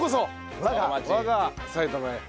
我が埼玉へ。